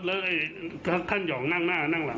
ผมเลยคิดอย่างงั้นแล้วแล้วไอ้ท่านหย่องนั่งหน้านั่งหลัง